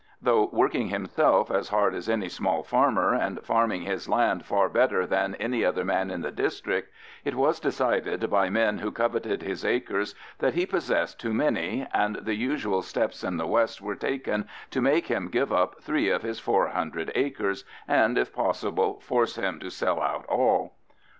Though working himself as hard as any small farmer, and farming his land far better than any other man in the district, it was decided by men who coveted his acres that he possessed too many, and the usual steps in the west were taken to make him give up three of his four hundred acres, and if possible force him to sell out all.